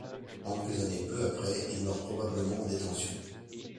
Emprisonné peu après, il meurt probablement en détention.